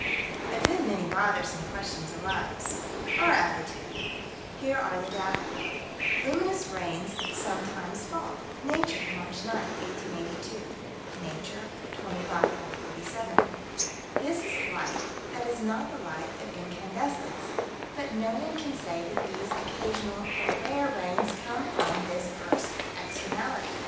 A good many bothersome questions arise Our attitude: Here are the data: Luminous rains sometimes fall (Nature, March 9, 1882; Nature, 25 437). This is light that is not the light of incandescence, but no one can say that these occasional, or rare, rains come from this earth's externality.